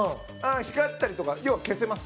光ったりとか、要は消せます。